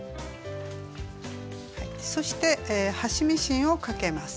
そして端ミシンをかけます。